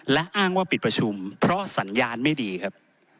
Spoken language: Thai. และอ้างว่าปิดประชุมเพราะสัญญาณไม่ดีครับ